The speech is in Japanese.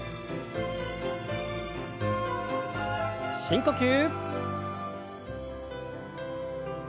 深呼吸。